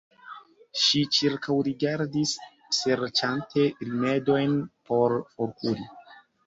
Ŝi ĉirkaŭrigardis, serĉante rimedojn por forkuri.